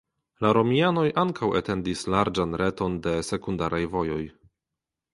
La romianoj ankaŭ etendis larĝan reton de sekundaraj vojoj.